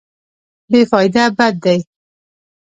بې فایده بد دی.